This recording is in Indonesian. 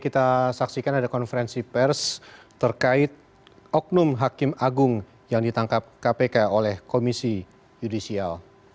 kita saksikan ada konferensi pers terkait oknum hakim agung yang ditangkap kpk oleh komisi yudisial